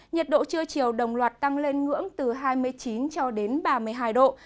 nhiệt độ trưa chiều đồng loạt tăng lên ngưỡng từ hai mươi chín cho đến ba mươi hai độ